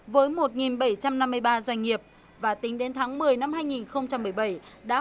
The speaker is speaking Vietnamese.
với một bảy trăm năm mươi ba doanh nghiệp và tính đến tháng một mươi năm hai nghìn một mươi bảy